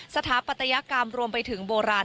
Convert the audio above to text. สถาปัตยกรรมรวมไปถึงโบราณ